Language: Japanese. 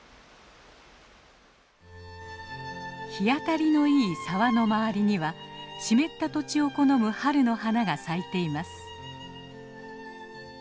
日当たりのいい沢の周りには湿った土地を好む春の花が咲いています。